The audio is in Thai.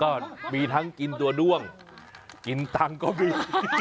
ก็มีทั้งกินตัวด้วงกินตังค์ก็มี